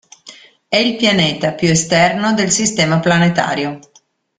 È il pianeta più esterno del sistema planetario.